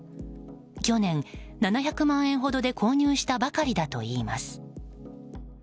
去年７００万円ほどで購入したばかりだといいます。